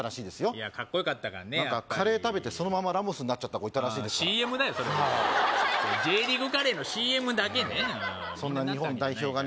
いやカッコよかったからね何かカレー食べてそのままラモスになっちゃった子いたらしいですからＣＭだよそれはＪリーグカレーのＣＭだけねそんな日本代表がね